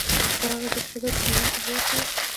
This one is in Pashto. په هغه ذات قسم چي زما نفس ئې په واك كي دی